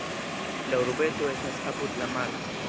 La urbeto estas apud la maro.